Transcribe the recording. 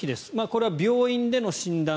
これは病院での診断